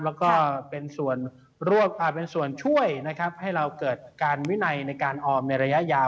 แล้วก็เป็นส่วนช่วยให้เราเกิดการวินัยในการออมในระยะยา